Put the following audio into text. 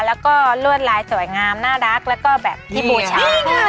แล้วก็ลวดลายสวยงามน่ารักแล้วก็แบบที่บูชา